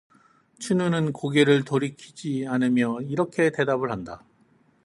춘우는 고개도 돌이키지 않으며 이렇게 대답을 한다.